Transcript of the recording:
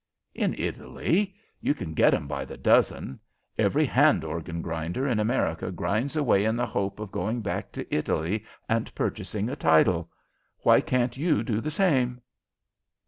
"In Italy. You can get 'em by the dozen. Every hand organ grinder in America grinds away in the hope of going back to Italy and purchasing a title. Why can't you do the same?"